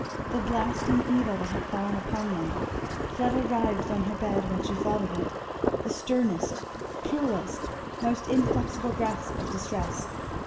The blasting evil that had fallen upon them, Fleda writhed on her bed when she thought of it. The sternest, cruellest, most inflexible, grasp of distress.